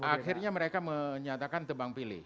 akhirnya mereka menyatakan tebang pilih